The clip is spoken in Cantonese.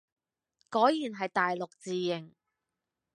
果然係大陸字形